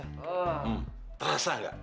hmm terasa nggak